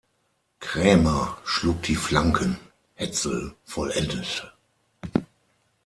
Krämer schlug die Flanken, Hetzel vollendete.